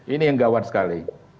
ini yang gawat sekali